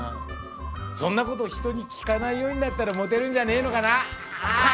そんなこと人に聞かないようになったらモテるんじゃねえのかな。